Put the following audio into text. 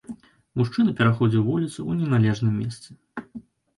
Мужчына пераходзіў вуліцу ў неналежным месцы.